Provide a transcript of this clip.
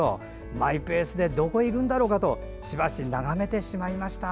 マイペースでどこへ行くんだろうかとしばし眺めてしまいました。